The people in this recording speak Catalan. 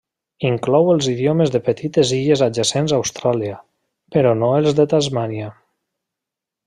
Inclou els idiomes de petites illes adjacents a Austràlia, però no els de Tasmània.